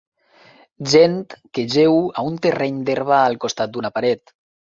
Gent que jeu a un terreny d'herba al costat d'una paret.